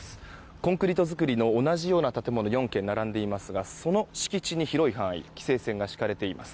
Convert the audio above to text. コンクリート造りの同じような建物が４軒並んでいますがその敷地内に規制線が敷かれています。